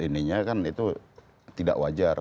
ininya kan itu tidak wajar